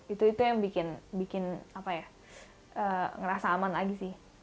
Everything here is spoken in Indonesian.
itu yang bikin merasa aman lagi sih